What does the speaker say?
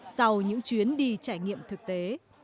sau những chuyến đi trải nghiệm thực tế